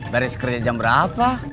baris kerja jam berapa